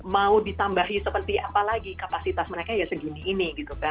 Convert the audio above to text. mau ditambahi seperti apa lagi kapasitas mereka ya segini ini